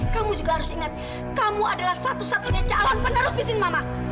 kamu juga harus ingat kamu adalah satu satunya calon penerus mesin mama